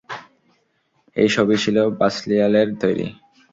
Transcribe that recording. এ সবই ছিল বাসলিয়ালের তৈরী।